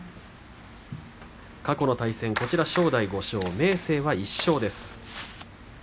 過去の対戦、正代が５勝で明生が１勝です。